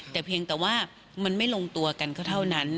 แต่เพียงแต่ว่ามันไม่ลงตัวกันก็เท่านั้น